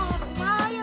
tidak tidak tidak